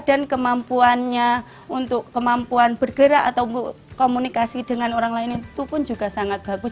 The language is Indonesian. dan kemampuannya untuk bergerak atau komunikasi dengan orang lain itu pun juga sangat bagus